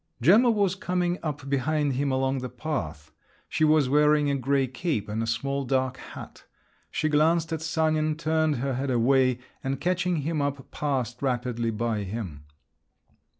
Gemma was coming up behind him along the path. She was wearing a grey cape and a small dark hat. She glanced at Sanin, turned her head away, and catching him up, passed rapidly by him.